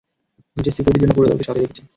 নিজের সিকিউরিটির জন্য পুরো দলকে সাথে রেখেছে।